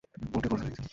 ওর divorce হয়ে গেছে।